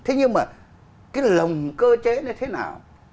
thế nhưng mà cái lồng cơ chế này thế nào